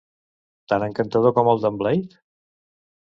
Tan encantador com el d'en Blake?